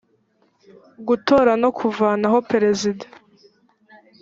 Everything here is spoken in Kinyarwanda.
gutora no kuvanaho perezida